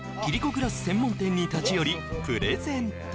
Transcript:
グラス専門店に立ち寄りプレゼント